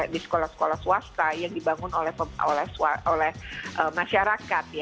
di sekolah sekolah swasta yang dibangun oleh masyarakat